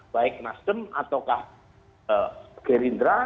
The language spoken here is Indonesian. baik nasdem atau girindra